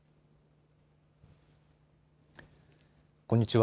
こんにちは。